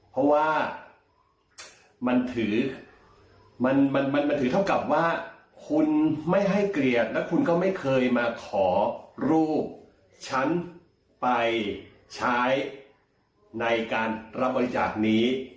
เพราะว่ามันถือมันถือเท่ากับว่าคุณไม่ให้เกลียดแล้วคุณก็ไม่เคยมาขอรูปฉันไปใช้ในการรับบริจาคนี้